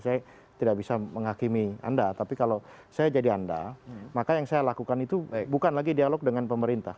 saya tidak bisa menghakimi anda tapi kalau saya jadi anda maka yang saya lakukan itu bukan lagi dialog dengan pemerintah